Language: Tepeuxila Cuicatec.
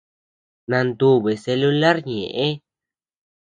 Nantubi celular ñeʼe.